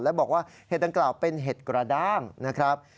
แล้วบอกว่าเห็ดต่างเป็นเห็ดกระด้างนะครับ